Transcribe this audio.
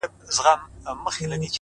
د شېخانو د ټگانو. د محل جنکۍ واوره.